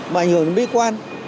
mà ảnh hưởng đến mỹ quan